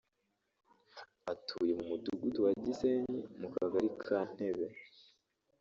atuye mu Mudugudu wa Gisenyi mu Kagari ka Ntebe